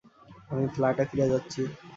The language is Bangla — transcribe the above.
আমি ফ্ল্যাটে ফিরে যাচ্ছি।